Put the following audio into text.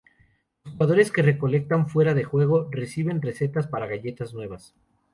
Los jugadores que recolectan fuera de juego reciben recetas para galletas nuevas.